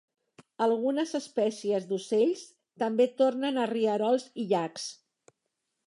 Algunes espècies d'ocells també tornen a rierols i llacs.